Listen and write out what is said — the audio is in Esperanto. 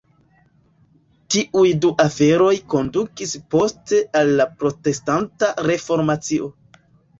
Tiuj du aferoj kondukis poste al la Protestanta Reformacio.